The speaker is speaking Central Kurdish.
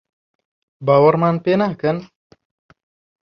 باوەڕمان پێ ناکەن؟